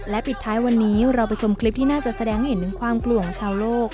ปิดท้ายวันนี้เราไปชมคลิปที่น่าจะแสดงให้เห็นถึงความกลัวของชาวโลก